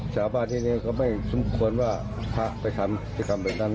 ชาวบ้านที่นี่ก็ไม่สมควรว่าพระไปทำพฤติกรรมแบบนั้น